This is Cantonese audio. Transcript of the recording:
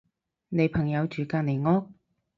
你朋友住隔離屋？